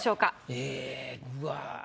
えぇうわ。